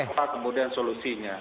dan kemudian solusinya